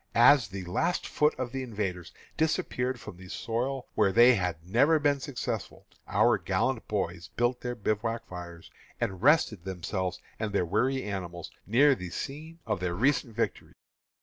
As the last foot of the invaders disappeared from the soil where they had never been successful, our gallant boys built their bivouac fires and rested themselves and their weary animals near the scene of their recent victory.